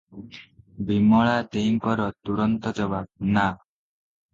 ବିମଳା ଦେଈଙ୍କର ତୁରନ୍ତ ଜବାବ, ନା ।